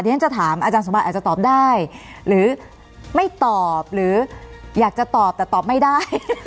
เดี๋ยวเราจะถามอาจารย์สบายอาจจะตอบได้หรือไม่ตอบหรืออยากตอบแต่ตอบไม่ได้